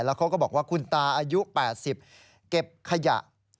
แล้วเขาก็บอกว่าคุณตาอายุ๘๐เก็บขยะ